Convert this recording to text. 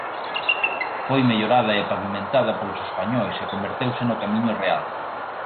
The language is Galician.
Foi mellorada e pavimentada polos españois e converteuse no Camiño Real.